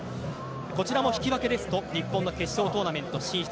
こちらも引き分けですと日本の決勝トーナメント進出。